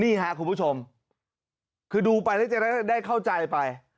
นี่ครับคุณผู้ชมคือดูได้เข้าใจไป